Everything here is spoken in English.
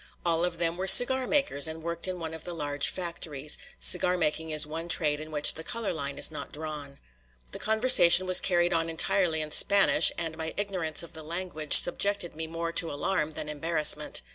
All of them were cigar makers and worked in one of the large factories cigar making is one trade in which the color line is not drawn. The conversation was carried on entirely in Spanish, and my ignorance of the language subjected me more to alarm than embarrassment.